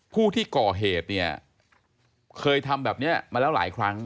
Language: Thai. ผู้ที่ก่อเหตุเนี่ยเคยทำแบบนี้มาแล้วหลายครั้ง